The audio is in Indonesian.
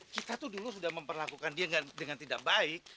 kita tuh dulu sudah memperlakukan dia dengan tidak baik